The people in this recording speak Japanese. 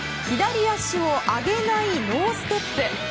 左足を上げないノーステップ。